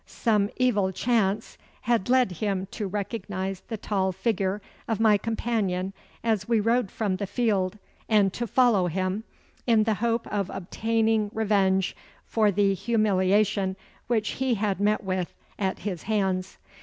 Some evil chance had led him to recognise the tall figure of my companion as we rode from the field, and to follow him, in the hope of obtaining revenge for the humiliation which he had met with at his hands.